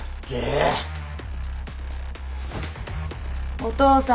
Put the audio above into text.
お父さん！